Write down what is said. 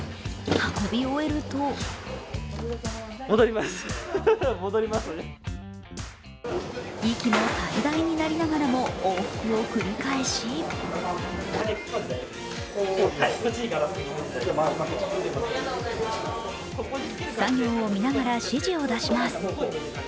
運び終えると息も絶え絶えになりながらも、往復を繰り返し作業を見ながら指示を出します。